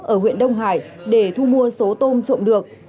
ở huyện đông hải để thu mua số tôm trộm được